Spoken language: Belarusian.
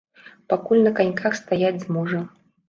Пакуль на каньках стаяць зможа.